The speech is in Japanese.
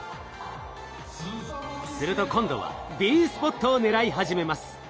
すると今度はＢスポットを狙い始めます。